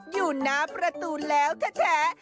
อยู่หน้าประตูแล้วแท้